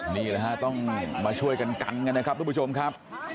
นี่แหละฮะต้องมาช่วยกันกันกันนะครับทุกผู้ชมครับ